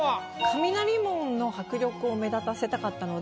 雷門の迫力を目立たせたかったので。